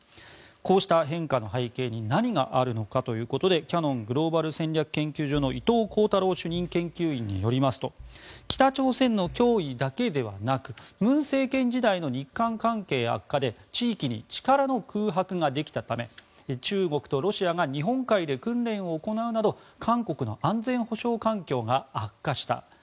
こうした変化の背景に何があるのかということでキヤノングローバル戦略研究所の伊藤弘太郎主任研究員によりますと北朝鮮の脅威だけではなく文政権時代の日韓関係悪化で地域に力の空白ができたため中国とロシアが訓練を行うなど韓国の安全保障環境が悪化した。